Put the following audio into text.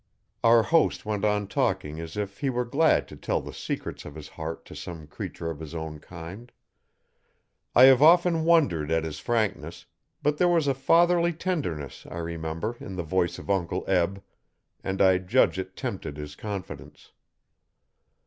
Our host went on talking as if he were glad to tell the secrets of his heart to some creature of his own kind. I have often wondered at his frankness; but there was a fatherly tenderness, I remember in the voice of Uncle Eb, and I judge it tempted his confidence.